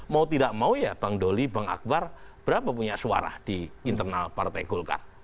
mau tidak mau ya bang doli bang akbar berapa punya suara di internal partai golkar